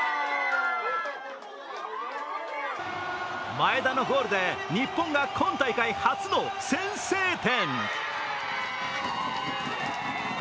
前田のゴールで日本が今大会初の先制点。